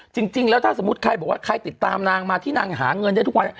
จริงแล้วถ้าสมมุติใครบอกว่าใครติดตามนางมาที่นางหาเงินได้ทุกวัน